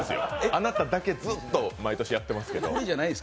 あなただけずっとやってますけど。